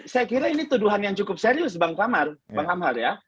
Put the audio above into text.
saya kira ini tuduhan yang cukup serius bang kamar bang amhar ya